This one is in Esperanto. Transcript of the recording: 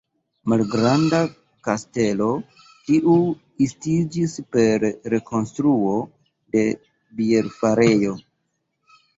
Malgranda kastelo, kiu estiĝis per rekonstruo de bierfarejo.